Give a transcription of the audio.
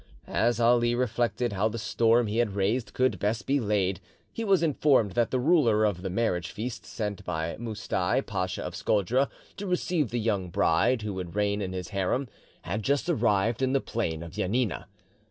As Ali reflected how the storm he had raised could best be laid, he was informed that the ruler of the marriage feast sent by Moustai, Pacha of Scodra, to receive the young bride who should reign in his harem, had just arrived in the plain of Janina.